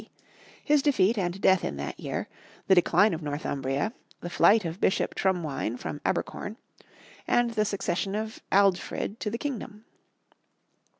D.), his defeat and death in that year, the decline of Northumbria, the flight of Bishop Trumwine from Abercorn, and the succession of Aldfrid to the kingdom.